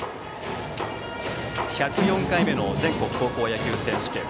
１０４回目の全国高校野球選手権。